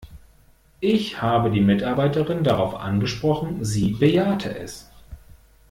Ich habe die Mitarbeiterin darauf angesprochen, sie bejahte es.